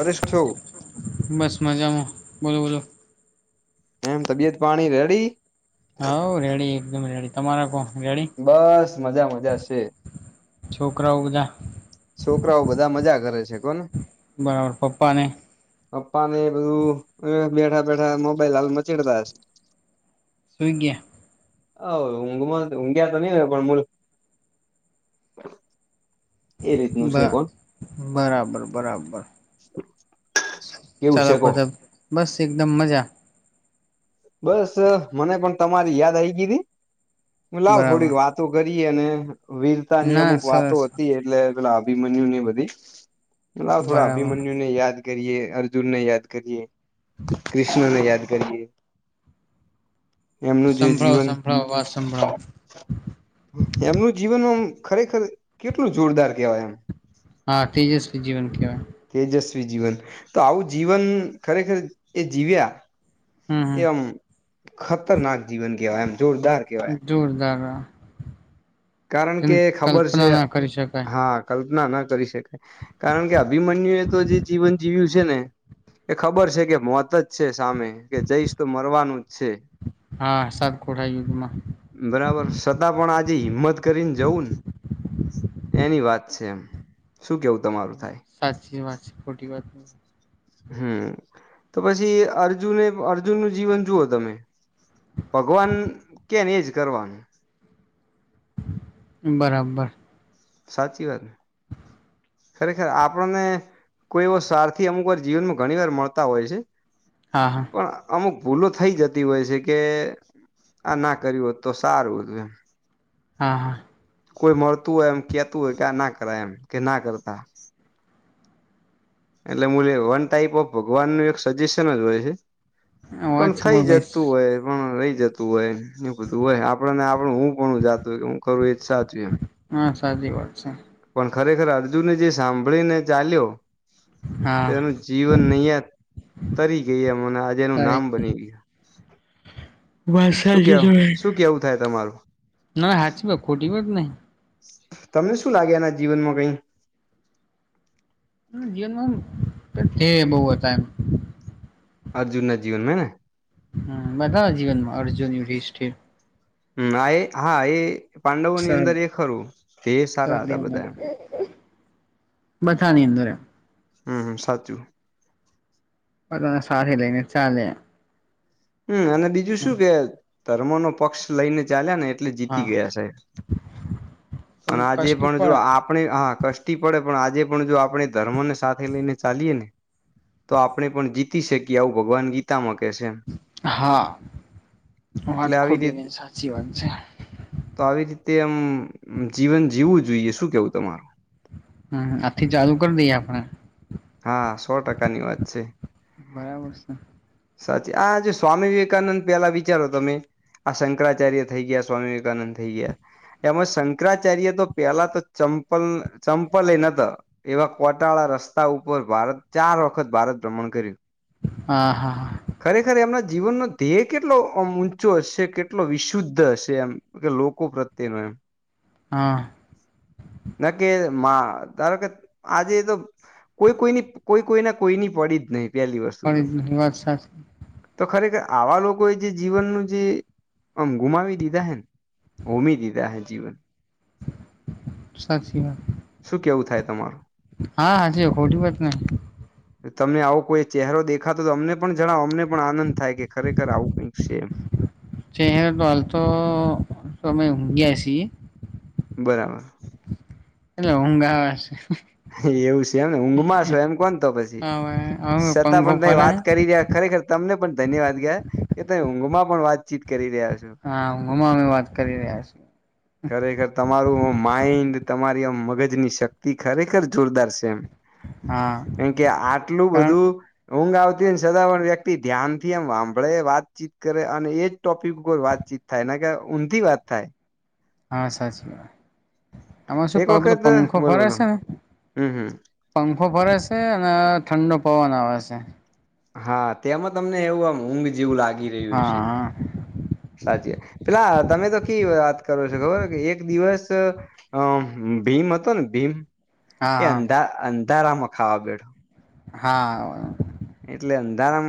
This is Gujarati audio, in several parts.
પરેશ થવ [unintelligible] બસ મજામાં બોલો બોલો. એમ તબિયત પાણી રેડી? હોવ રેડી. એકદમ રેડી. તમારા કોણ રેડી? બસ મજા મજા છે. છોકરાઓ બધા? છોકરાઓ બધા મજા કરે છે કોને. બરાબર પપ્પાને? પપ્પા ને એ બધું બેઠા બેઠા મોબાઈલ હાલ મચેડતા હશે. સુઈ ગ્યા. હોવ ઉંઘમાં ઉંઘિયા તો નહી હોય પણ મ એ રીતનું બ છે કોણ બરાબર બરાબર. કેવું ચાલો છે કો ખોજ બસ એકદમ મજા. બસ મને પણ તમારી યાદ આવી ગઈતી હું લાવ બરાબર થોડીક વાત તો કરીએ ને વીરતા ની ના અમુક વાતો સરસ હતી એટલે. પેલા અભીમન્યુ ને બધી પેલા થોડા બરાબર અભીમન્યુ ને યાદ કરીએ અર્જુનને યાદ કરીએ, કૃષ્ણને બરાબર યાદ કરીએ. એમનું જે સંભળાવો જીવન. સંભળાવો વાત સંભળાવો એમનું જીવન એમ ખરેખર કેટલું જોરદાર કેવાય એમ! હા તેજસ્વી જીવન કહેવાય. તેજસ્વી જીવન તો આવું જીવન ખરેખર એ જીવ્યા. હમ હમ એમ ખતરનાક જીવન કેહેવાય એમ જોરદાર. કહેવાય જોરદાર હા. કારણ કે ખબર છે શકાય હા. કલ્પના ના કરી શકાય, કારણ કે અભિમન્યુ એ તો જે જીવન જીવ્યું છે ને. એ ખબર છે કે મોત જ છે સામે કે જઈશ તો મરવાનું જ છે. હા હ સાત કોઠા યુદ્ધ મા. બરાબર છતાં પણ આજે હિંમત કરીને જવું ને એની વાત છે એમ શું કેવું તમારું? થાય. સાચી વાત છે ખોટી વાત. હમ તો પછી અર્જુને અર્જુનનું જીવન જુઓ તમે. ભગવાન કે ને એજ કરવાનું. બરાબર. સાચી વાત ને? ખરેખર આપણને કોઈ એવો સ્વાર્થી અમુક વાર જીવનમાં ઘણી વાર મળતા હોય છે. હા હા. પણ અમુક ભૂલો થઈ જતી હોય છે કે આ ના કર્યું હોત તો સારું હતું એમ. હા હા. કોઈ મળતું હોય એમ કેતું હોય કે ના કરાય એમ કે ના કરતા. એટલે મુદ્દે વન ટાઈપ ઓફ ભગવાન નું એક સજેશન જ હોય છે. હા પણ વાત છે થઇ ભાઈ જતું હોય. પણ રહી જતું હોય એ બધું હોય આપડ ને આપડું હું પણ જાતું હોય હું કરું એ જ સાચું એમ. હા સાચી વાત છે. પણ ખરેખર અર્જુનને જે સાંભળીને ચાલ્યો- તો હા એનું જીવન નહયા તરી ગયા મને આજે એનું નામ સારી બની ગય- વા કેવ શું કેવું થાય તમારું ના હાચીમાં ખોટી વા જ નહી- તમને શું લાગે એના જીવનમાં કઈ- જીવનમાં બહ હતા એમ- અર્જુનના જીવનમાં ને- હ બધાને જીવન માં અર્જુનિષઠિર- હમ આ હા એ- પાંડવો ની અંદર એ ખરું તે સારા હતા બધા એમ- બધાની અંદર એમ હ સાચું બને સાથે લઈ ને ચાલે- હમ અને બીજું શું એમ કે ધર્મ નો પક્ષ લઈને ચાલ્યા ને- એટલે જીતી હા ગયા સાહેબ અને થોડુંક આજે કષ્ટી પણ જો આપ- આપ હા કષ્ટી પડે પણ આજે પણ જો આપણે ધર્મને સાથે લઈને ચાલીએ ને- તો આપણે પણ જીતી શકીએ આવું ભગવાન ગીતામાં કેહે છે. હા વાત એટલે આવી ખોટી રીતે નહી સાચી વાત છે. તો આવી રીતે આમ જીવન જીવું જોઈએ શું કેવું તમારું- હમ આથી ચાલુ કરી દઈએ આપણે- હા સો ટકા ની વાત છે. બરાબર છે. સાચી આજ સ્વામી વિવેકાનંદ પેલા વિચારો તમે- આ શંકરાચાર્ય થઈ ગયા સ્વામી વિવેકાનંદ થઈ ગયા- એમાં શંકરાચાર્ય તો પેલા તો ચંપલ ચંપલ એ નતો- એવા કોટાળા રસ્તા ઉપર ભારત ચાર વખત ભારત ભ્રમણ કર્યું- હા હા- ખરેખર એમના જીવનનો ધ્યેય કેટલો ઊંચો હશે કેટલો વિશુદ્ધ હશે એમ- કે લોકો પ્રત્યે ન એમ- હા- ના કે ધારો કે આજે તો- કોઈ કોઈની કોઈ કોઈના કોઈની પડી જ નહીિ પેલી વસ્તુ તો- પણ વાત સાચી તો ખરેખર આવા લોકોએ જે જીવનનું જે આમ ગુમાવી દીધા હેન હોમી દીધા હૈ જીવન. સાચી વાત. શું કેવું થાય તમારું? હા હાચી ખોટી વાત નહીં. તે તમને આવો કોઈ ચહેરો દેખાતો તો અમને પણ જણાવો અમને પણ આનંદ થાય કે ખરેખર આવું કંઈક સે એમ. ચહેરો તો હાલ તો અમે ઊંઘીયા સીએ. બરાબર. એટલે ઊંઘ આવે સે. એવું સે એમને ઊંઘમાં છો એમ કોન તો પછી. હવે સતાં પંખો પણ તમે ફરે વાત કરી રહ્યા ખરેખર તમને પણ ધન્યવાદ કેવાય કે તમે ઊંઘમાં પણ વાતચીત કરી રહ્યા છો. હા ઊંઘમાં અમે વાત કરી રહ્યા સીએ. ખરેખર તમારું માઈન્ડ, તમારી આમ મગજની શક્તિ ખરેખર જોરદાર સે એમ. હા કેમ કે આટલું કારણ બધું ઊંઘ આવતી હોયને સતા પણ વ્યક્તિ ધ્યાનથી આમ હાભળે, વાતચીત કરે અને એજ ટોપિક ઉપર વાતચીત થાય નકર ઊંધી વાત થાય. હા સાચી વાત. આમાં શું એક પેલો વખત પંખો બોલો ફરે બોલો છે ને હમ હમ પંખો ફરે સે અને ઠંડો પવન આવે સે. હા તેમાં તમને એવું આમ ઊંઘ જેવું લાગી રહ્યું હશે. હા સાચી વાત પેલા તમે તો કેવી વાત કરો છો ખબર હે કે એક દિવસ હહ અમ ભીમ હતો ને ભીમ એ હા અંધા અંધારામાં ખાવા બેઠો. હા એટલે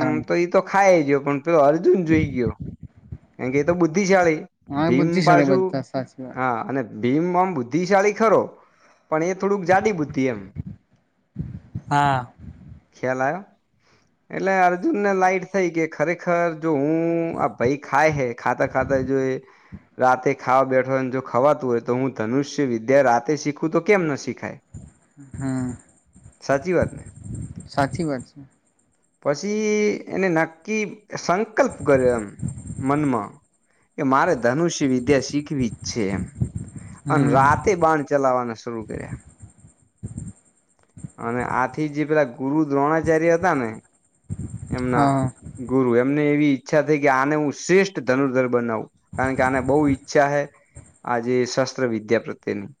હા તો એતો ખાય ગયો પણ પેલો અર્જુન જોઈ ગયો. કારણ કે એ તો બુદ્ધિશાળી હા ભીમ બુદ્ધિશાળી પાછું બધા સાચી વાત હા અને ભીમ આમ બુદ્ધિશાળી ખરો. પણ એ થોડુંક જાડી બુદ્ધિ એમ. હા ખ્યાલ આયો? એટલે અર્જુનને લાઈટ થઈ કે ખરેખર જો હું આ ભઈ ખાય હૈ ખાતા ખાતા જો એ રાતે ખાવા બેઠોને હોયને જો ખવાતું હોય તો હું ધનુષ્ય વિદ્યા રાતે શીખું તો કેમ ન શીખાય? હમ સાચી વાત ને? સાચી વાત છે પસી એને નક્કી સંકલ્પ કર્યો એમ. મનમાં. કે મારે ધનુષ્ય વિદ્યા શીખવી જ છે એમ. અને હમ રાત તે બાણ ચલાવાના શરૂ કર્યા. અને આથી જે પેલા ગુરુ દ્રોણાચાર્ય હતા ને. એમના હા ગુરુ એમને એવી ઈચ્છા થઈ કે આને હું શ્રેષ્ઠ ધનુર્ધર બનાવું. કારણ કે આને બહુ ઈચ્છા હૈ. આજે શસ્ત્ર વિદ્યા પ્રત્યેની.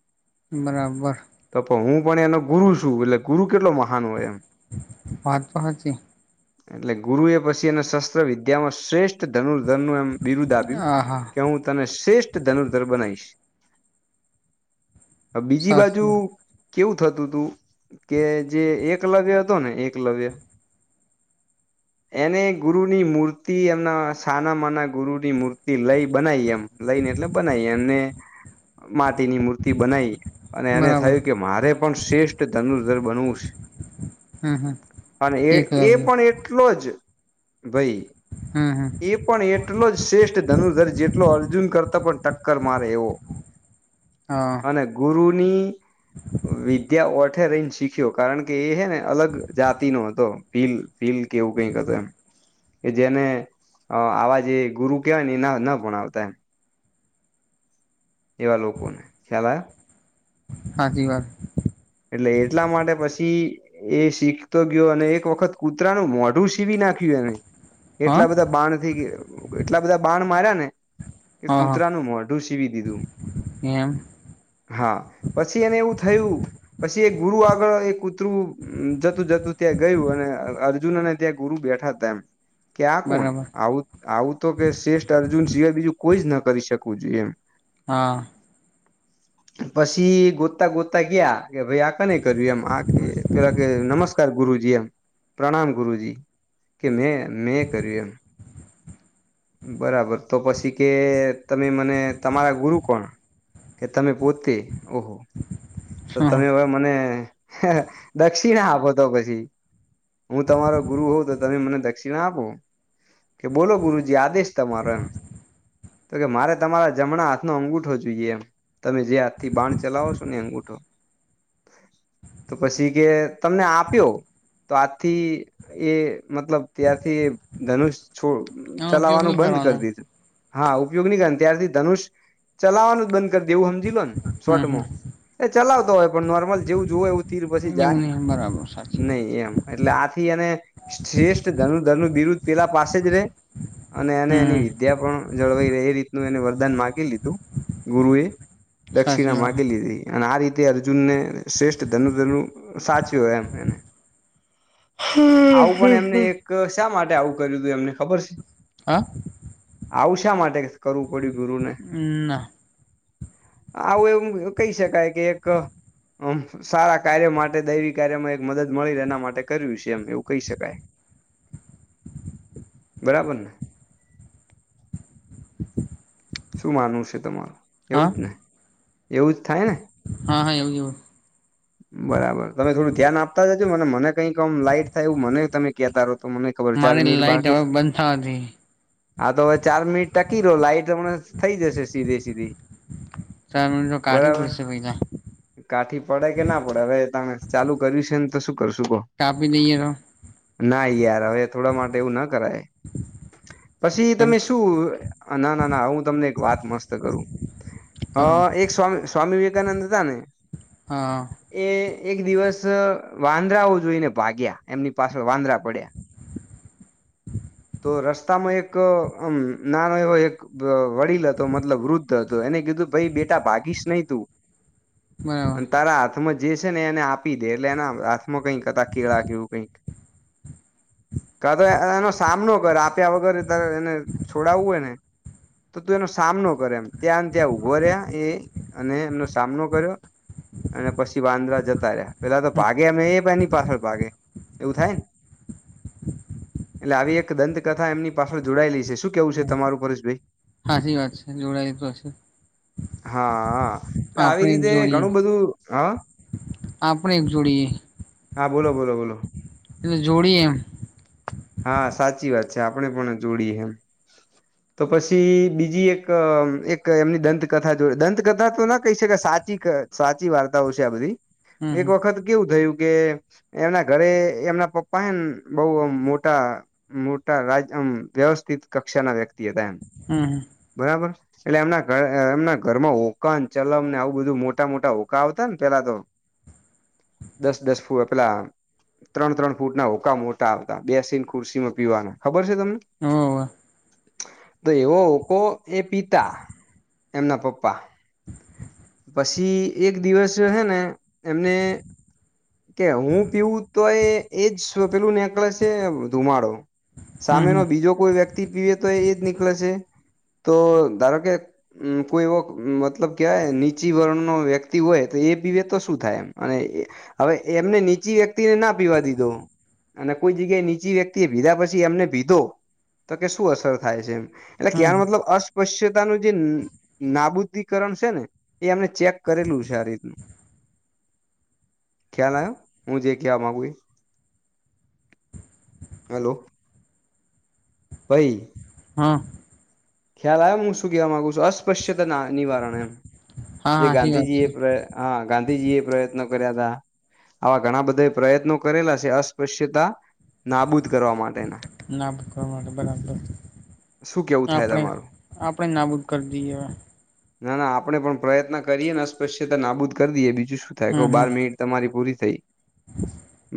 બરાબર. તો પણ હું પણ એનો ગુરુ છું, એટલે ગુરુ કેટલો મહાન હોય એમ. વાત તો હાચી. એટલે ગુરુ એ પછી એને શસ્ત્ર વિદ્યામાં શ્રેષ્ ષ્ઠ ધનુર્ધરનું એમ બિરુદ્ધ આપ્યું. હા હા કે હું તને શ્રેષ્ઠ ધનુર્ધર બનાઈશ. હવે બીજી સાચી બાજું વાત કેવું થતું ત તું કે જે એકલવ્ય હતો ને એકલવ્ય. એને ગુરુની મૂર્તિ એમના સાના માના ગુરુ ની મૂર્તિ લઈ બનાવી એમ લઈને એટલે બનાવી એમને માટીની મૂર્તિ બનાઈ. અને એને બરાબર થયું કે મારે પણ શ્રેષ્ઠ ધનુર્ધર બનવું છે. હમ હમ અને એ એ એકલવ્ય પણ એટલો જ ભઈ. હહ હહ એ પણ એટલો જ શ્રેષ્ઠ ધનુર્ધર જેટલો અર્જુન કરતા પણ ટક્કર મારે એવો. [inaudible] હા ગુરુની વિ ત્યા ઓઠે રહીને શીખ્યો કારણ કે એ હે ને અલગ જાતિ નો હતો ભીલ. ભીલ કે એવું કઈક હતો એમ. કે જેને આવા જે ગુરુ કહેવાય ને એના ના ભણાવતા એમ એવા લોકો ને ખ્યાલ આયો હાચી વાત એટલે એટલા માટે પછી એ શીખતો ગયો અને એક વખત કૂતરાનું મોઢું સીવી નાખ્યું એને હા એટલા બધા બાણ થી એટલા બધા બાણ માર્યા ને કે હા હા કૂતરાનું મોડ ઢૂ સીવી દીધું. એમ. હા પછી એને એવું થયું પછી એક ગુરુ આગળ એક કૂતરું જતું જતું ત્યાં ગયું અને અર્જુન અને ત્યાં ગુરુ બેઠા હતા એમ કે આ કોણ બરાબર આવું આવું તો કે શ્રેષ્ઠ અર્જુન સિવાય બીજું કોઈ જ ન કરી શકવું જોઈએ એમ. હા. પછી ગોતતા ગોતતા ગયા ભાઈ આ કોણે કર્યું એમ આ કે પેલા કે નમસ્કાર ગુરુજી એમ પ્રણામ ગુરુજી કે મેં મેં કર્યું એમ. બરાબર તો પછી કે તમે મને તમારા ગુરુ કોણ. કે તમે પોતે ઓહો તો હા હા તમે હવે મને દક્ષિણા આપો તો પછી હું તમારો ગુરુ હોઉં તો તમે મને દક્ષિણા આપો કે બોલો ગુરુ આદેશ તમારો એમ તો કે મારે તમારા જમણા હાથનો અંગુઠો જોઈએ એમ તમે જે હાથ થી બાણ ચલાવો છો ને એ અંગુઠો તો પછી કે તમને આપ્યો તો આથી એ મતલબ ત્યારથી ધનુષ છોડ આનો ઉપયોગ ચલાવવાનું નહી બંધ કરવાનો કરી દીધું હા ઉપયોગ નહી કરે ત્યારથી ધનુષ ચલાવવાનું જ બંધ કરી દેવું સમજી લો ને હમ શોટમાં એ ચલાવતો હોય પણ નોર્મલ જેવું જોવું એવું તીર પછી હમ એવું જાય નહી બરાબર સાચી વાત નહી એમ એટલે આથી એને શ્રેષ્ઠ ધનુરધર કરે નું બિરુદ પેલા પાસે જ રે અને એને હમ એની વિદ્યા પણ જળવાઈ ર એ રીતનું એને વરદાન માગી લીધું ગુરુ એ સાચી વાત દક્ષિણમાંગલધ અને આ રીતે અર્જુન ને શ્રેષ્ઠ ધનુરધનુ સાચ્યો હોય એમ એને આવું પણ એમને એક શા માટે આવું કર્યું હતું એમને ખબર છે હા આવું શા માટે કરવું પડ્યું ગુરુને ના આવું એવમ કહી શકાય કે એકમ સારા કાર્યો માટે દૈવી કાર્યમાં એક મદદ મળી એના માટે કર્યું છે એમ એવું કહી શકાય બરાબરને શું માનવું છે તમારું હા એવું જ ને એવું જ થાય ને હા હા એવું એવું [inaudible] બરાબર તમે થોડું ધ્યાન આપતા જજો મને મને કંઈક લાઈટ થાય એવું મને તમે કહેતા રહો તો મને ખબર ચાર મારી મિનિટ લાઈટ બાકી છે હવે બંધ થાતી હા તો હવે ચાર મિનિટ ટકી રહ લાઈટ હમણા થઈ જશે સીધે સીધી સર મને તો કાઢી બરાબર પડશે પૈલા. કાઠી પડે કે ના પડે હવે તમે ચાલુ કર્યું છે ને તો શું કરશું બોલ. કાપી દઈ તો. ના યાર હવે થોડા માટે એવું ના કરાય. પછી કેમ તમે શું ના ના ના હું તમને એક વાત મસ્ત કરું. હ કરો એક સ્વામી સ્વામી વિવેકાનંદ હતા ને. હા. એ એક દિવસ વાંદરાઓ જોઈને ભાગ્યા એમની પાછળ વાંદરા પડ્યા. તો રસ્તામાં એક આમ નાનો એવો એક. વ વડીલ હતો મતલબ વૃદ્ધ હતો એને કીધું ભાઈ બેટા ભાગીશ નહી તું. બરાબર અને તારા હાથમાં જે છે ને એને આપી દે એટલે એના હાથમાં કંઈક કતા કેળા કેવું કઈક. કા તો એનો સામનો કર આપ્યા વગર તારે એને છોડાવવું હોય ને. તો તું એનો સામનો કર એમ ત્યાંને ત્યાં ઉભો રહ્યા એ અને એમનો સામનો કર્યો. અને પછી વાંદરા જતા રહ્યા પેલા તો ભાગે અમે એ પણ એની પાછળ ભાગે એવું થાય ને. એટલે આવી એક દંતકથા એમની પાછળ જોડાયેલી છે શું કેવું છે તમારું પરેશભઈ. હાચી વાત છે જોડાય તો હશે. હા હા આવી આપણે એક રીતે જોડીએ ઘણું બધું હા. આપણે એક જોડીએ. હા બોલો બોલો બોલો. એટલે જોડીએ એમ. હા સાચી વાત છે આપણે પણ જોડીએ એમ. તો પછી બીજી એક એક એમની દંતકથા જોડે દંતકથા તો ના કહી શકે સાચી ઘ સાચી વાર્તાઓ છે આ બધી. એક હમ વખત કેવું થયું કે એમના ઘરે એમના પપ્પા એ બઉ મો મોટા મોટા રાજમ વ્યવસ્થિત કક્ષાના વ્યક્તિ હતા એમ. હમ્મ. બરાબર. એટલે એમના ઘ એમના ઘર માં હોકા ન ચલમ ને આવું બધું મોટા-મોટા હોકા આવતા ને પેલા તો. દસ-દસ ફૂટ પેલા ત્રણ-ત્રણ ફૂટ ના હોકા મોટા આવતા. બેસીને ખુરશીમાં પીવાનું ખબર છે તમને. હોવે તો એવો હોકો એ પિતા એમના પપ્પા. પછી એક દિવસ હે ને એમને. કે હું પીવું તો એ એજ પેલું નેકલેસે છે ધુમાડો. સામેનો હમ હમ બીજો કોઈ વ્યક્તિ પીવે તો એજ નીકળે છે તો ધારો કે મ કોઈ એવો મતલબ કેવાય નીચી વર્ણન વ્યક્તિ હોય તો એ પીવે તો શું થાય એમ અને. હવે એમને નીચી વ્યક્તિને ના પીવા દીધો. અને કોઈ જગ્યાએ નીચી વ્યક્તિ ભીધા પછી એમને ભીધો તો કે શું અસર થાય છે એમ. એટલે હમ કેવાનો મતલબ અસ્પશ્યતાનું જે નાબુદીકરણ છે ને એ અમને ચેક કરેલું છે આ રીતનું. ખ્યાલ આવ્યો હું જે ક્યાવા માગુ એ. હલો. ફઈ. હ. ખ્યાલ આવે હું શું કહેવા માંગુ છું અસ્પશ્યતા ના નિવારણ એમ હા જે હાચી વાત ગાંધીજી છે એ પ્ર હા ગાંધીજીએ પ્રયત્નો કર્યા હતા. આવા ઘણા બધા પ્રયત્નો કરેલા છે અસ્પશ્યતા નાબૂદ કરવા માટેના. ના કો બરાબર. શું કેવું થાય આપણે તમારું આપણે નાબૂદ કરી દીયે. ના ના આપડણે પણ પ્રયત્ન કરીએ ને અસ્પશ્યતા નાબુદ કરી દઈએ બીજું શું થાય હમ ક બાર હમ મિનિટ તમારી પૂરી થઈ.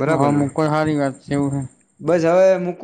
બરાબર હા ને મુકો હારી વાત છે એવું હે. બસ હવે મૂકુ.